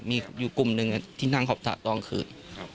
มีอยู่กลุ่มหนึ่งที่นั่งขอบสระตอนคืน